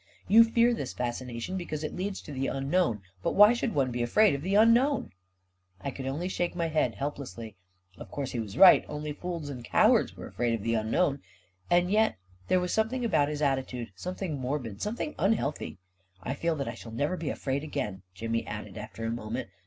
You feaf this fascination because it leads to the un known — but why should one be afraid of the un known ?" I could only shake my head helplessly. Of course he was right — only fools and cowards were afraid 234 A KING IN BABYLON of the unknown! And yet there was about his at titude something morbid, something unhealthy ..." I feel that I shall never be afraid again," Jimmy added, after a moment.